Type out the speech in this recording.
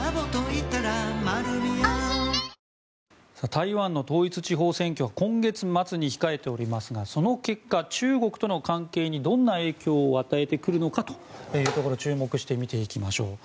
台湾の統一地方選挙は今月末に控えておりますがその結果、中国との関係にどんな影響を与えてくるのかというところに注目して見ていきましょう。